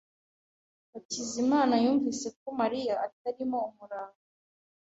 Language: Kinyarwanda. Hakizimana yumvise ko Mariya atarimo umurava.